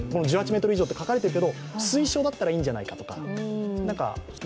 １８ｍ以上と書かれてるけど、推奨だったらいいんじゃないかと。